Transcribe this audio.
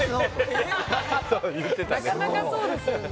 なかなかそうですよね